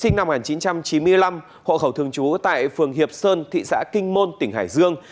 sinh năm một nghìn chín trăm chín mươi năm hộ khẩu thường trú tại phường hiệp sơn thị xã kinh môn tỉnh hải dương